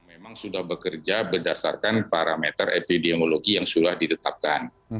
memang sudah bekerja berdasarkan parameter epidemiologi yang sudah ditetapkan